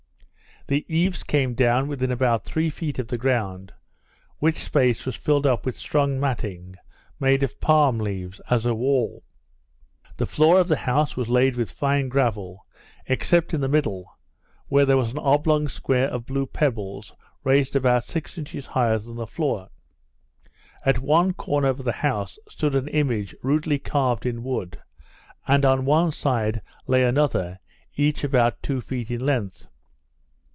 The eaves came down within about three feet of the ground, which space was filled up with strong matting made of palm leaves, as a wall. The floor of the house was laid with fine gravel; except, in the middle, where there was an oblong square of blue pebbles, raised about six inches higher than the floor. At one corner of the house stood an image rudely carved in wood, and on one side lay another; each about two feet in length.